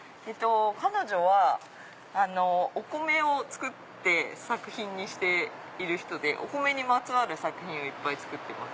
彼女はお米を作って作品にしている人でお米にまつわる作品をいっぱい作ってます。